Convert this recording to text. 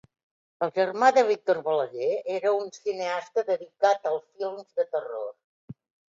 El germà de Víctor Balaguer era un cineasta dedicat als films de terror.